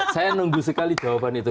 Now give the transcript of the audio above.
saya nunggu sekali jawaban itu